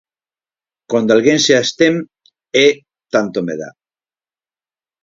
Cando alguén se abstén é tanto me dá.